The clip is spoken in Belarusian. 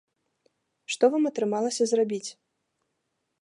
Што вам атрымалася зрабіць?